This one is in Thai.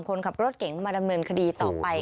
คนขับรถเห็นมาดำเนินคดีออกไป